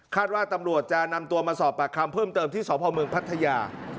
ว่าตำรวจจะนำตัวมาสอบปากคำเพิ่มเติมที่สพเมืองพัทยา